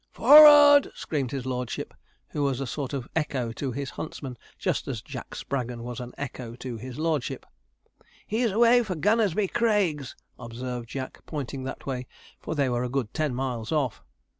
'F o r rard!' screamed his lordship, who was a sort of echo to his huntsman, just as Jack Spraggon was echo to his lordship. 'He's away for Gunnersby Craigs,' observed Jack, pointing that way, for they were a good ten miles off.